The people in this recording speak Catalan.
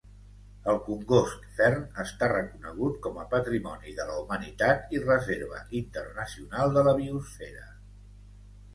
El congost Fern està reconegut com a Patrimoni de la Humanitat i Reserva Internacional de la Biosfera.